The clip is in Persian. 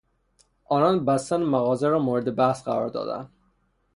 آنان بستن مغازه را مورد بحث قرار دادند.